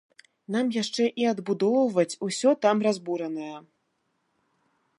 Нам яшчэ і адбудоўваць усё там разбуранае!